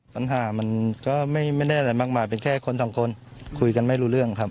ปัญหามันก็ไม่ได้อะไรมากมายเป็นแค่คนสองคนคุยกันไม่รู้เรื่องครับ